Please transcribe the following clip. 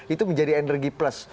itu menjadi energi plus